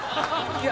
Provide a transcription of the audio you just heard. いや。